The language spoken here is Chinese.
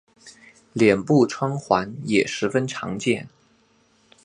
脸部穿环也十分常见。